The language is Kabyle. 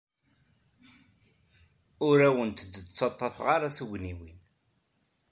Ur awent-d-ttaḍḍafeɣ tugniwin.